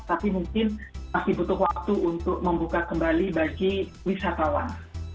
tapi mungkin masih butuh waktu untuk membuka kembali bagi wisatawan